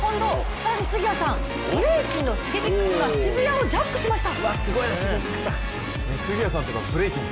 更に杉谷さん、ブレイキンのＳｈｉｇｅｋｉｘが渋谷をジャックしました。